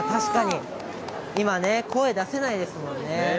今、声出せないですもんね。